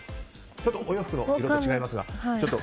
ちょっとお洋服の色と違いますが。